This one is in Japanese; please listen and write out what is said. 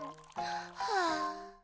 はあ。